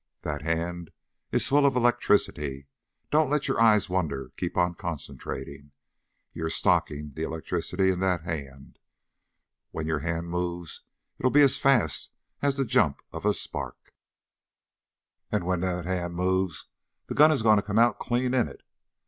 That hand is full of electricity. Don't let your eyes wander. Keep on concentrating. You're stocking the electricity in that hand. When your hand moves, it'll be as fast as the jump of a spark! And when that hand moves, the gun is going to come out clean in it.